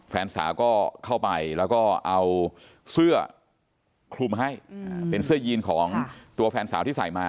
แฟนสาวก็เข้าไปแล้วก็เอาเสื้อคลุมให้เป็นเสื้อยีนของตัวแฟนสาวที่ใส่มา